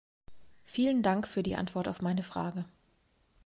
Vielen Dank für die Antwort auf meine Frage.